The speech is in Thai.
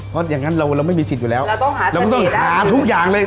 เพราะอย่างนั้นเราไม่มีสิทธิ์อยู่แล้วเราต้องหาทุกอย่างเลย